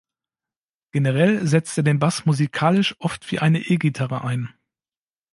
Generell setzt er den Bass musikalisch oft wie eine E-Gitarre ein.